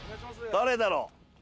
誰だろう？